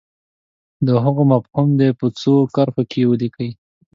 د هغو مفهوم دې په څو کرښو کې ولیکي.